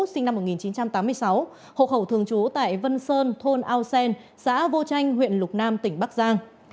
sinh năm một nghìn chín trăm tám mươi sáu hộ khẩu thường trú tại vân sơn thôn ao sen xã vô tranh huyện lục nam tỉnh bắc giang